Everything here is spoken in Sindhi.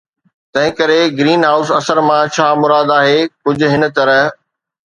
تنهنڪري گرين هائوس اثر مان ڇا مراد آهي ڪجهه هن طرح